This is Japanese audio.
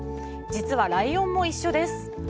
実はライオンも一緒です。